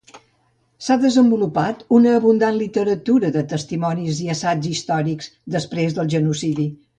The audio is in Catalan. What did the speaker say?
S'ha desenvolupat una abundant literatura de testimonis i assaigs històrics després del genocidi.